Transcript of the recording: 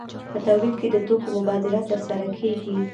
په تولید کې د توکو مبادله ترسره کیږي.